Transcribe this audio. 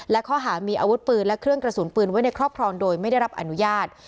และข้อหามีอาวุธปืนและเครื่องกระสุนปืนไว้ในครอบครองโดยไม่ได้รับอนุญาต